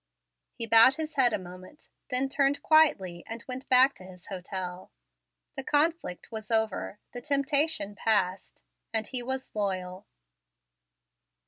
He bowed his head a moment, then turned quietly, and went back to his hotel. The conflict was over, the temptation passed, and he was loyal.